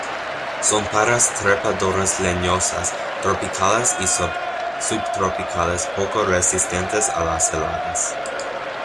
Son parras trepadoras leñosas tropicales y subtropicales poco resistentes a la heladas.